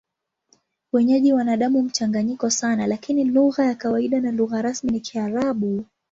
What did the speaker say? Wenyeji wana damu mchanganyiko sana, lakini lugha ya kawaida na lugha rasmi ni Kiarabu.